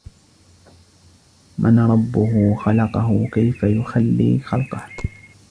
مَنْ رَبُّهُ خَلَقَهُ كَيْفَ يُخَلِّي خَلْقَهُ